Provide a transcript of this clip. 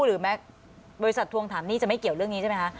หรือแม้บริษัททวงถามหนี้จะไม่เกี่ยวเรื่องนี้ใช่ไหมคะ